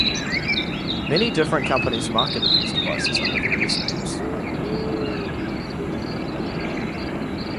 Many different companies marketed these devices under various names.